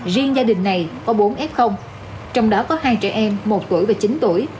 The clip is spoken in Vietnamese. riêng gia đình này có bốn f trong đó có hai trẻ em một tuổi và chín tuổi